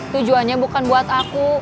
tujuannya bukan buat aku